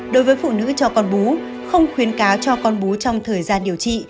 đối với phụ nữ cho con bú không khuyến cáo cho con bú trong thời gian điều trị